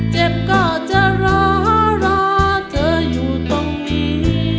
เจ็บก็จะรอรอเธออยู่ตรงนี้